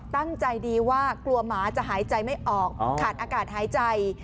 ตั้งใจดีว่ากลัวหมาจะหายใจไม่ออกขาดอากาศหายใจ